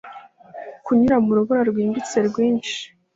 kunyura mu rubura rwimbitse, rwinshi